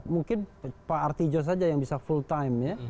mungkin pak artijo saja yang bisa full time ya